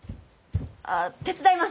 あ手伝います。